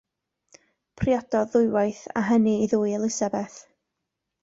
Priododd ddwywaith, a hynny i ddwy Elizabeth.